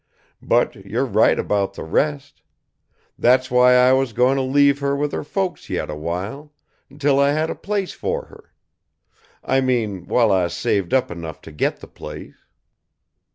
But you're right about the rest. That's why I was going to leave her with her folks yet a while, until I had a place for her. I mean, while I saved up enough to get the place."